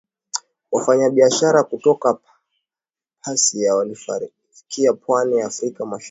Wafanyabiashara kutoka Persia walifikia pwani ya Afrika Mashariki